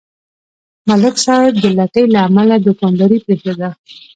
ملک صاحب د لټۍ له امله دوکانداري پرېښوده.